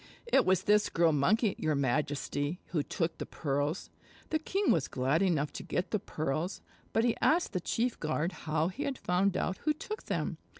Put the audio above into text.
"It was this Girl Monkey, your Majesty, who took the pearls." The king was glad enough to get the pearls, but he asked the chief guard how he had found out who took them.